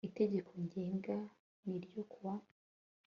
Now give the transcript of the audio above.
ITEGEKO NGENGA N RYO KU WA